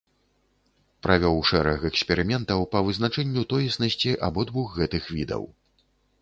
Правёў шэраг эксперыментаў па вызначэнню тоеснасці абодвух гэтых відаў.